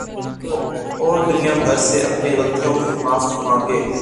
اور دنیا بھر سے اپنی غلطیوں کی معافی ما نگے